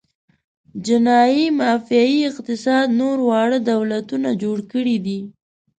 جنايي مافیايي اقتصاد نور واړه دولتونه جوړ کړي دي.